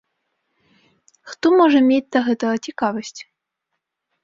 Хто можа мець да гэтага цікавасць?